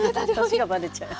年がばれちゃう。